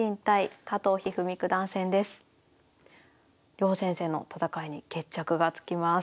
両先生の戦いに決着がつきます。